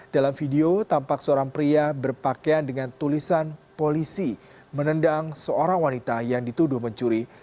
dalam video tampak seorang pria berpakaian dengan tulisan polisi menendang seorang wanita yang dituduh mencuri